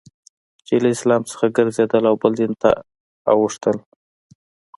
چي له اسلام څخه ګرځېدل او بل دین ته اوښتل دي.